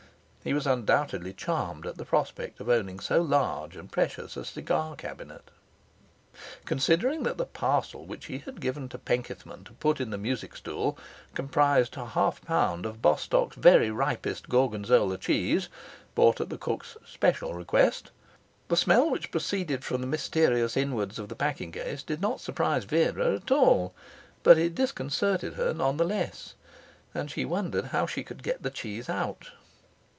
He was undoubtedly charmed at the prospect of owning so large and precious a cigar cabinet. Considering that the parcel which she had given to Penkethman to put in the music stool comprised a half a pound of Bostock's very ripest Gorgonzola cheese, bought at the cook's special request, the smell which proceeded from the mysterious inwards of the packing case did not surprise Vera at all. But it disconcerted her none the less. And she wondered how she could get the cheese out.